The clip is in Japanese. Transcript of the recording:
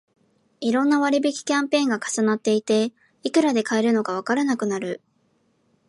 いろんな割引キャンペーンが重なっていて、いくらで買えるのかわからなくなる